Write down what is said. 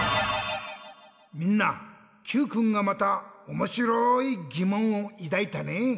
みんなＱくんがまたおもしろいぎもんをいだいたね。